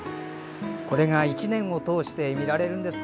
これが１年を通して見られるんですか。